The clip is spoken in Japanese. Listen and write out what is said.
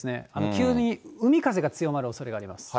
急に海風が強まるおそれがありま